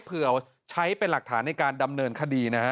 เผื่อใช้เป็นหลักฐานในการดำเนินคดีนะฮะ